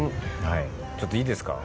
ちょっといいですか？